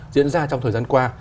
diễn ra trong thời gian qua